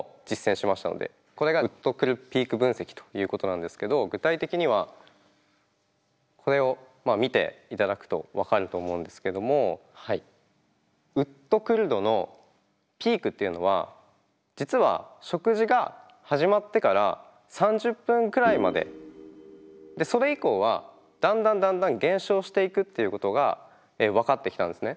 これがウッとくるピーク分析ということなんですけど具体的にはこれを見ていただくと分かると思うんですけどもウッとくる度のピークっていうのは実は食事が始まってから３０分くらいまででそれ以降はだんだんだんだん減少していくっていうことが分かってきたんですね。